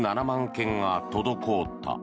件が滞った。